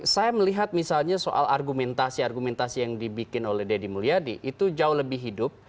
saya melihat misalnya soal argumentasi argumentasi yang dibikin oleh deddy mulyadi itu jauh lebih hidup